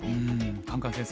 カンカン先生